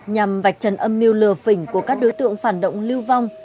nhằm vạch trần âm mưu lừa phỉnh của các đối tượng phản động lưu vong